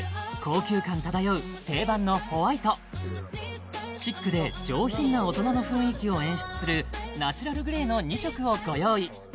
高級感漂う定番のホワイトシックで上品な大人の雰囲気を演出するナチュラルグレーの２色をご用意